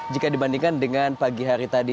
jika dibandingkan dengan pagi hari tadi